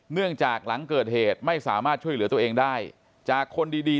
เนื่องจากหลังเกิดเหตุไม่สามารถช่วยเหลือตัวเองได้